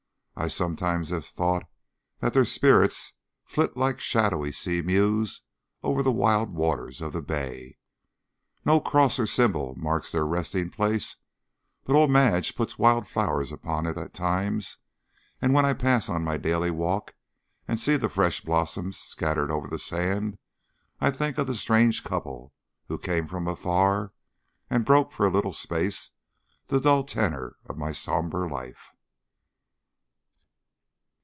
I sometimes have thought that their spirits flit like shadowy sea mews over the wild waters of the bay. No cross or symbol marks their resting place, but old Madge puts wild flowers upon it at times, and when I pass on my daily walk and see the fresh blossoms scattered over the sand, I think of the strange couple who came from afar, and broke for a little space the dull tenor of my sombre life.